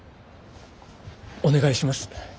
お願いします。